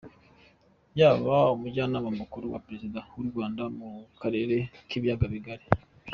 Yabaye umujyanama mukuru wa Perezida w’u Rwanda mu karere k’ibiyaga bigari.